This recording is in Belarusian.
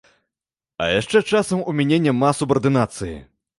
А яшчэ часам у мяне няма субардынацыі.